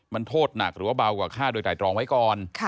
มันโทษหนักหรือว่าเบากว่าฆ่าโดยไตรตรองไว้ก่อน